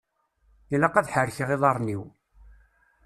Ilaq ad ḥerkeɣ iḍaṛṛen-iw.